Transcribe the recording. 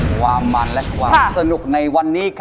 ความมันและความสนุกในวันนี้